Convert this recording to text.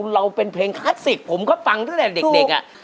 เราเป็นเพลงคลาสสิกผมก็ฟังตั้งแต่เด็ก